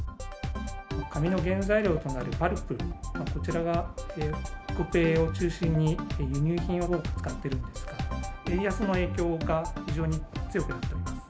紙の原材料となるパルプ、こちらが北米を中心に輸入品を多く使っているんですが、円安の影響が非常に強くなっております。